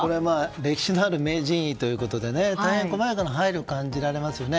歴史のある名人にということで大変細やかな配慮を感じられますよね。